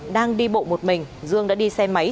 đang đi bộ một mình dương đã đi xe máy